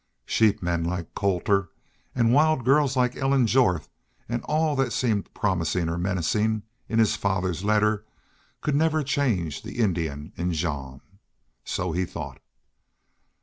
Sheepmen like Colter and wild girls like Ellen Jorth and all that seemed promising or menacing in his father's letter could never change the Indian in Jean. So he thought.